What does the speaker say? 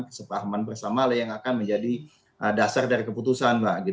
kesepahaman bersama lah yang akan menjadi dasar dari keputusan